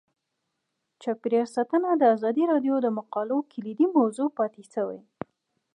چاپیریال ساتنه د ازادي راډیو د مقالو کلیدي موضوع پاتې شوی.